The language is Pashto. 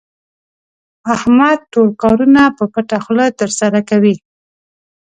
احمد ټول کارونه په پټه خوله ترسره کوي.